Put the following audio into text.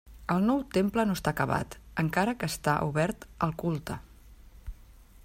El nou temple no està acabat, encara que està obert al culte.